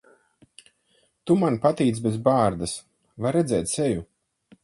Tu man patīc bez bārdas. Var redzēt seju.